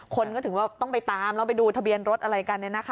คนก็ถึงว่าต้องไปตามแล้วไปดูทะเบียนรถอะไรกัน